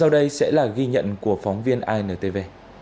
đây sẽ là ghi nhận của phóng viên intv